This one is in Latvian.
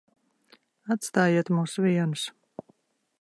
Atstājiet mūs vienus.